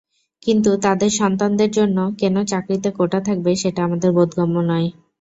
কিন্তু তঁাদের সন্তানদের জন্য কেন চাকরিতে কোটা থাকবে, সেটা আমাদের বোধগম্য নয়।